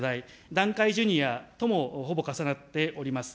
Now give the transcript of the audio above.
団塊ジュニアともほぼ重なっております。